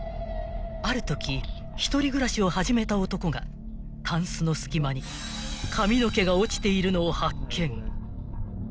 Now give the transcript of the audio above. ［あるとき一人暮らしを始めた男がたんすの隙間に髪の毛が落ちているのを発見］